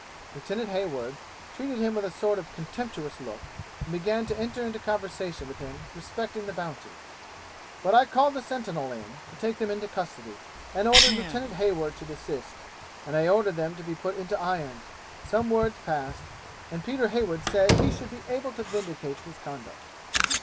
Lieutenant Hayward treated him with a sort of contemptuous look, and began to enter into conversation with him respecting the Bounty, but I called the sentinel in to take them into custody, and ordered Lieutenant Hayward to desist, and I ordered them to be put into irons; some words passed, and Peter Heywood said he should be able to vindicate his conduct.